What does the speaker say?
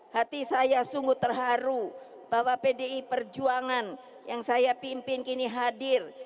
hati saya sungguh terharu bahwa pdi perjuangan yang saya pimpin kini hadir